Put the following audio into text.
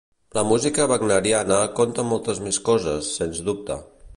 La música wagneriana conta moltes més coses, sens dubte.